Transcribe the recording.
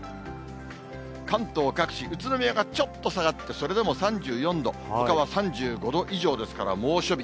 関東各地、宇都宮がちょっと下がって、それでも３４度、ほかは３５度以上ですから、猛暑日。